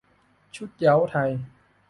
ชุดเหย้าไทย